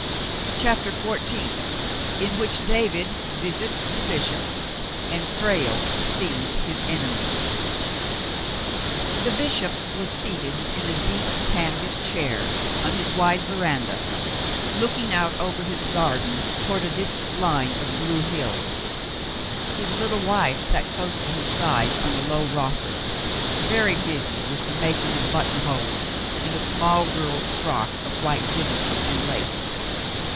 CHAPTER XIV IN TVHICH DAVID VISITS THE BISHOP, AND FRALE SEES HIS ENEMY The bishop was seated in a deep canvas chair on his wide veranda, looking out over his garden toward a dis tant hne of blue hills. His little wife sat close to his side on a low rocker, very busy with the making of buttonholes in a small girl's frock of white dimity and lace.